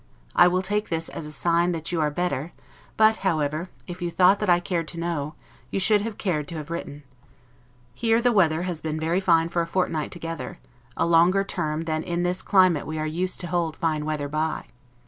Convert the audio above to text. I will take this as a sign that you are better; but, however, if you thought that I cared to know, you should have cared to have written. Here the weather has been very fine for a fortnight together, a longer term than in this climate we are used to hold fine weather by.